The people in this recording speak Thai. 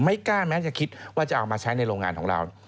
ไม่กล้าแม้จะคิดว่าจะเอามาใช้ในโรงงานของเรา